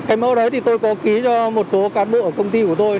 cái mẫu đấy thì tôi có ký cho một số cán bộ ở công ty của tôi